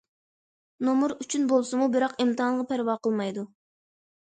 نومۇر ئۈچۈن بولسىمۇ، بىراق ئىمتىھانغا پەرۋا قىلمايدۇ.